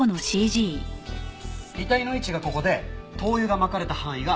遺体の位置がここで灯油がまかれた範囲がこれね。